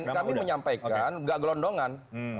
kami menyampaikan nggak gelondongan